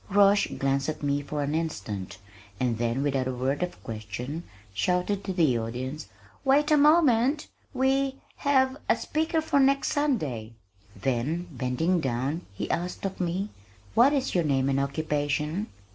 Roche glanced at me for an instant, and then without a word of question, shouted to the audience, "Wait a moment! We have a speaker for next Sunday." Then, bending down, he asked of me, "What is your name and occupation?"